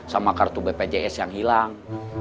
sama kartu bpjs yang hilang